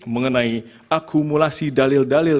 mengenai akumulasi dalil dalil